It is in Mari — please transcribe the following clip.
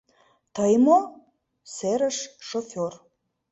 — Тый мо? — сырыш шофёр.